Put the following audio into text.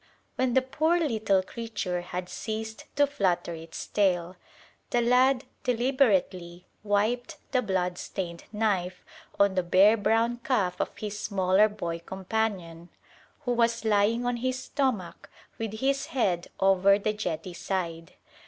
When the poor little creature had ceased to flutter its tail, the lad deliberately wiped the bloodstained knife on the bare brown calf of his smaller boy companion, who was lying on his stomach with his head over the jetty side.